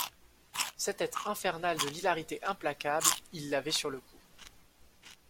Cette tête infernale de l’hilarité implacable, il l’avait sur le cou.